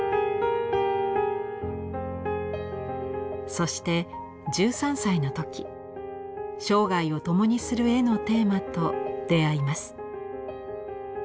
そして１３歳の時生涯を共にする絵のテーマと出会います。